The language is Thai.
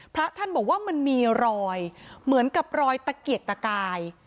พระท่านบอกว่ามันมีรอยเหมือนกับรอยตะเกียกตะกาย